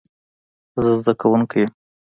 زه زده کوونکی یم